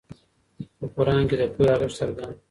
په قرآن کې د پوهې ارزښت څرګند دی.